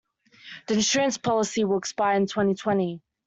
The insurance policy will expire in twenty-twenty.